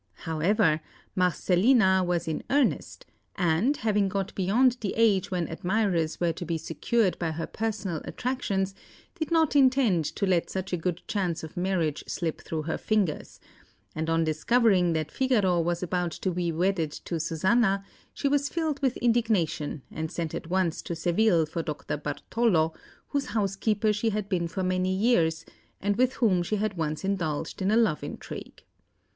However, Marcellina was in earnest, and, having got beyond the age when admirers were to be secured by her personal attractions, did not intend to let such a good chance of marriage slip through her fingers; and on discovering that Figaro was about to be wedded to Susanna, she was filled with indignation, and sent at once to Seville for Dr Bartolo, whose housekeeper she had been for many years, and with whom she had once indulged in a love intrigue.